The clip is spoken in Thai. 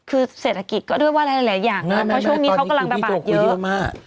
คือเศรษฐกิจก็ด้วยว่าอะไรหลายอย่างนะเพราะช่วงนี้เขากำลังระบาดเยอะมาก